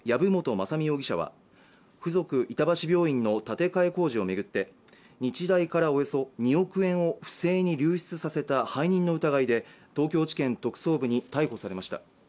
雅巳容疑者は附属板橋病院の建て替え工事をめぐって日大からおよそ２億円を不正に流出させた背任の疑いで東京地検特捜部に逮捕されました